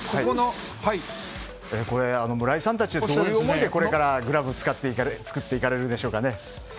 村井さんたちはどういう思いでこれからグラブを作っていかれるんでしょうかね。